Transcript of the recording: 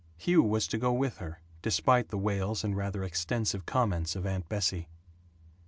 Hugh was to go with her, despite the wails and rather extensive comments of Aunt Bessie.